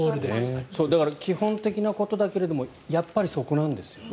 だけど基本的なことだけれどもやっぱりそこなんですよね。